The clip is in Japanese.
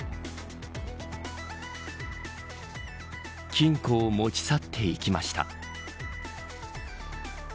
金庫を持ち去っていきました。